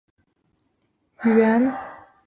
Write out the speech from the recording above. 父亲是海员。